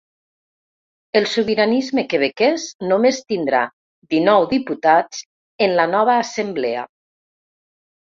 El sobiranisme quebequès només tindrà dinou diputats en la nova assemblea.